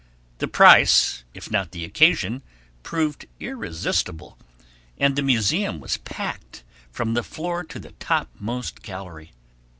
The price if not the occasion proved irresistible, and the museum was packed from the floor to the topmost gallery.